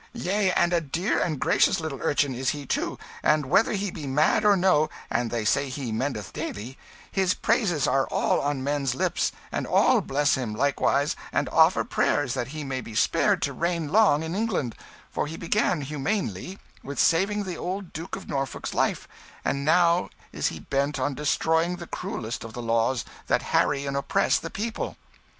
Yea, and a dear and gracious little urchin is he, too; and whether he be mad or no and they say he mendeth daily his praises are on all men's lips; and all bless him, likewise, and offer prayers that he may be spared to reign long in England; for he began humanely with saving the old Duke of Norfolk's life, and now is he bent on destroying the cruellest of the laws that harry and oppress the people."